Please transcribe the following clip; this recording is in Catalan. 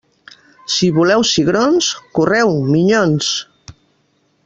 Si voleu cigrons, correu, minyons.